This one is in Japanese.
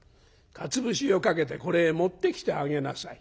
かつ節をかけてこれへ持ってきてあげなさい」。